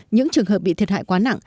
những trường hợp bị thiệt hại quá nặng